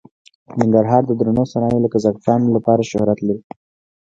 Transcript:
ننګرهار د درنو صنایعو لکه زعفرانو لپاره شهرت لري.